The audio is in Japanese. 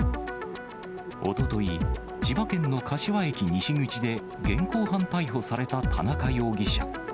おととい、千葉県の柏駅西口で現行犯逮捕された田中容疑者。